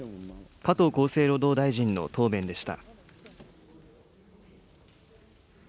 加藤厚生労働大臣の答弁でした。